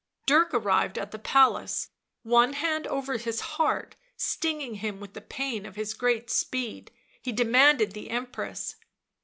Dirk arrived at the palace one hand over his heart, stinging him with the pain of his great speed; he demanded the Empress.